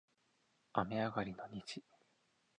雨上がりの虹